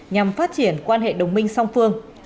nhằm phát triển quan hệ đồng minh song phương